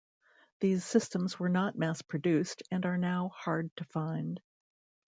These systems were not mass-produced and are now hard to find.